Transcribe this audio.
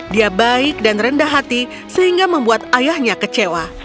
dia baik dan rendah hati sehingga membuat ayahnya kecewa